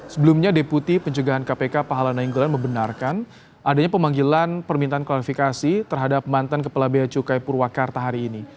sebelumnya deputi pencegahan kpk pahala nainggolan membenarkan adanya pemanggilan permintaan klarifikasi terhadap mantan kepala beacukai purwakarta hari ini